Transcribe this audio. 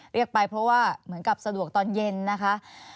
เรียกไปเพราะว่าเหมือนกับสะดวกตอนเย็นนะคะ